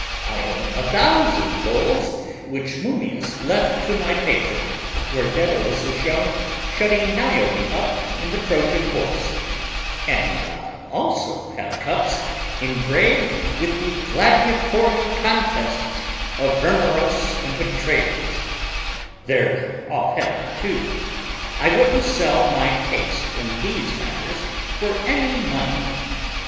I own a thousand bowls which Mummius left to my patron, where Daedalus is shown shutting Niobe up in the Trojan horse, and I also have cups engraved with the gladiatorial contests of Hermeros and Petraites: they're all heavy, too. I wouldn't sell my taste in these matters for any money!"